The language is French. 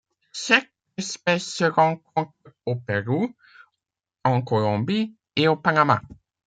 Cette espèce se rencontre au Pérou, en Colombie et au Panamá.